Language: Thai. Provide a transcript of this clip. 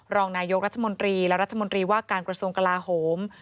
รองนายกรัฐมนตรีและรัฐมนตรีว่าการกระทรวงกลาโหม